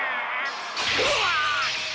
うわ！